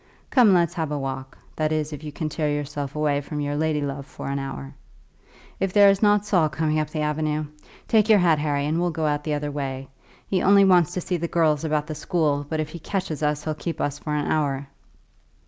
Come, let's have a walk; that is, if you can tear yourself away from your lady love for an hour. If there is not Saul coming up the avenue! Take your hat, Harry, and we'll get out the other way. He only wants to see the girls about the school, but if he catches us he'll keep us for an hour."